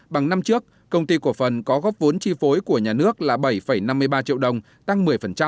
bằng năm trước công ty cổ phần có góp vốn chi phối của nhà nước là bảy năm mươi ba triệu đồng tăng một mươi